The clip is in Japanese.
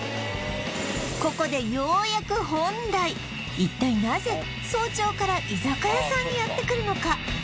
ここでようやく本題一体なぜ早朝から居酒屋さんにやってくるのか？